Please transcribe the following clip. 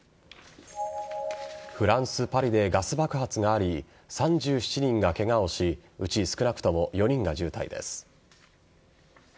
フランス・パリでガス爆発があり３７人がケガをしうち少なくとも４人が重体です。